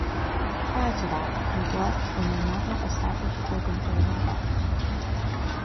Prior to that, he worked in another established organ building firm.